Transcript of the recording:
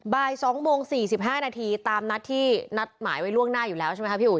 บ่าย๒โมง๔๕นาทีตามนัดที่นัดหมายไว้ล่วงหน้าอยู่แล้วใช่ไหมคะพี่อุ๋